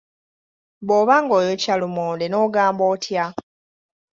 Bw'oba ng’oyokya lumonde n’ogamba otya?